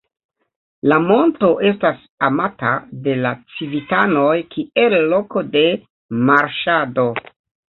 La monto estas amata de la civitanoj kiel loko de marŝado.